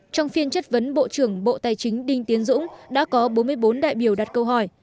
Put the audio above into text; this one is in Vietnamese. trong phiên chất vấn bộ trưởng bộ tài chính đinh tiến dũng đã có bốn mươi bốn đại biểu đặt câu hỏi